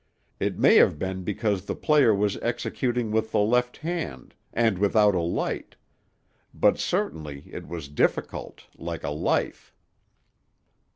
It may have been because the player was executing with the left hand, and without a light; but certainly it was difficult, like a life.